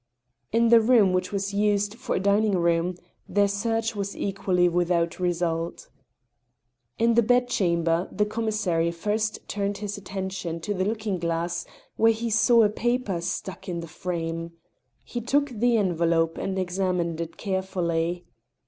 In the room which was used for a dining room their search was equally without result. In the bedchamber the commissary first turned his attention to the looking glass, where he saw a paper stuck in the frame. He took the envelope and examined it carefully.